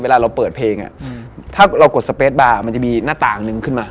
เวลาเราเปิดเพลงถ้าเรากดสเปสบาร์มันจะมีหน้าต่างนึงขึ้นมา